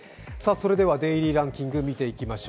それではデイリーランキングを見ていきましょう。